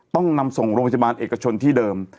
ต้องนำส่งโรงพยาบาลเอกชนที่เดิม